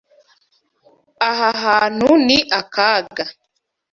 Aha hantu ni akaga.